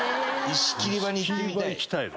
石切場に行ってみたい？